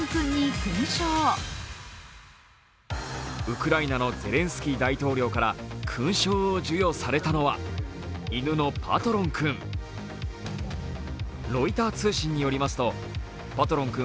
ウクライナのゼレンスキー大統領から勲章を授与されたのは犬のパトロン君。